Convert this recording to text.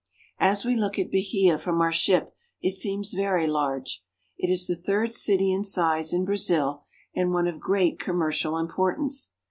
As we look at Bahia from our ship it seems very large. It is the third city in size in Brazil, and one of great com mercial importance.